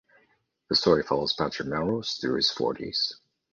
The story follows Patrick Melrose through his forties.